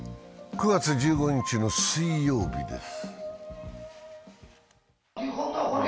９月１５日の水曜日です。